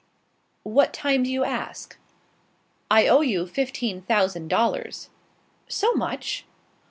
"What time do you ask?" "I owe you fifteen thousand dollars." "So much?"